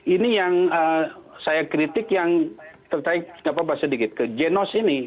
ini yang saya kritik yang terkait sedikit ke genos ini